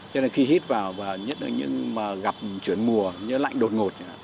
cho nên khi hít vào và nhất là những mà gặp chuyển mùa như lạnh đột ngột